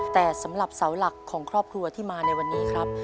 แต่สำหรับเสาหลักของครอบครัวที่มาในวันนี้ครับ